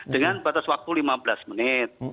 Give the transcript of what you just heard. dengan batas waktu lima belas menit